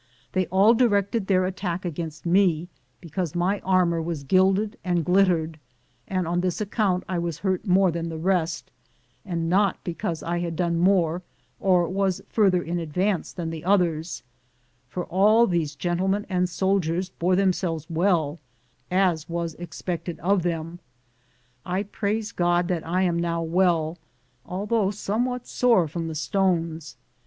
They all directed their attack against me because my armor was gilded and glittered, and on this account I was hurt more than the rest, and not because I had done more or was farther in advance than the others ; for all these gentlemen and soldiers bore them selves well, as was expected of them. I praise God that I am now well, although somewhat sore from the stones.